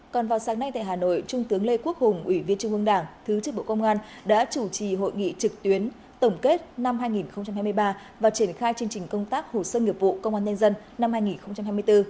còn vào sáng nay tại hà nội trung tướng lê quốc hùng ủy viên trung ương đảng thứ trưởng bộ công an đã chủ trì hội nghị trực tuyến tổng kết năm hai nghìn hai mươi ba và triển khai chương trình công tác hồ sơ nghiệp vụ công an nhân dân năm hai nghìn hai mươi bốn